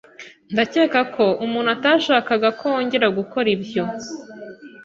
Ndakeka ko umuntu atashakaga ko wongera gukora ibyo.